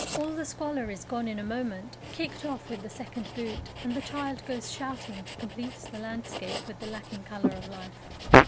All the squalor is gone in a moment, kicked off with the second boot, and the child goes shouting to complete the landscape with the lacking colour of life.